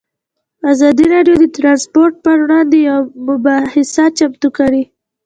ازادي راډیو د ترانسپورټ پر وړاندې یوه مباحثه چمتو کړې.